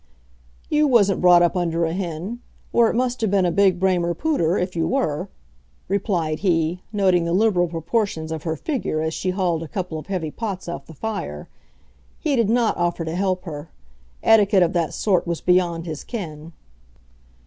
"You wasn't brought up under a hen, or it must have been a big Bramer Pooter, if you were," replied he, noting the liberal proportions of her figure as she hauled a couple of heavy pots off the fire. He did not offer to help her. Etiquette of that sort was beyond his ken.